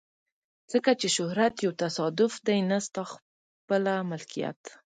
ځکه چې شهرت یو تصادف دی نه ستا خپله ملکیت.